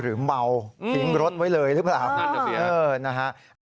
หรือเมาทิ้งรถไว้เลยหรือเปล่า